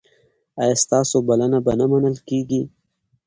ایا ستاسو بلنه به نه منل کیږي؟